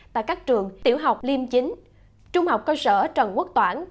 tại các trường tiểu học liêm chính trung học cơ sở trần quốc toản